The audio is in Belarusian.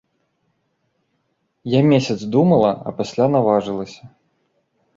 Я месяц думала, а пасля наважылася.